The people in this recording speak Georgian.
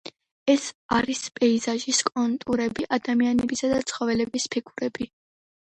ეს არის პეიზაჟის კონტურები, ადამიანებისა და ცხოველების ფიგურები.